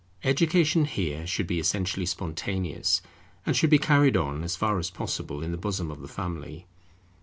Education here should be essentially spontaneous, and should be carried on as far as possible in the bosom of the family.